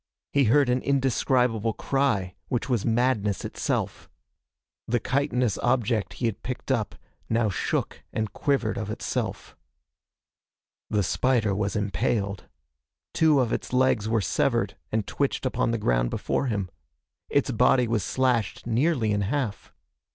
He heard an indescribable cry which was madness itself. The chitinous object he had picked up now shook and quivered of itself. The spider was impaled. Two of its legs were severed and twitched upon the ground before him. Its body was slashed nearly in half.